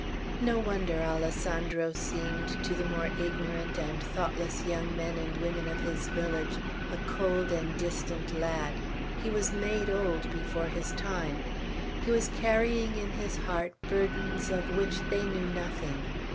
No wonder Alessandro seemed, to the more ignorant and thoughtless young men and women of his village, a cold and distant lad. He was made old before his time. He was carrying in his heart burdens of which they knew nothing.